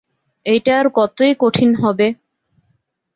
এটা আর কতই কঠিন হবে!